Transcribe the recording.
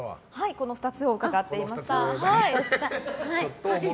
この２つを伺っていました。